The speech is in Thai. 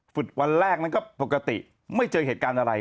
วันแรกนั้นก็ปกติไม่เจอเหตุการณ์อะไร